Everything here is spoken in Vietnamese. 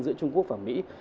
giữa trung quốc và mỹ